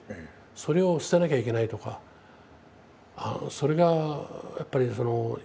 それを捨てなきゃいけないとかそれがやっぱりいっぺんじゃできない。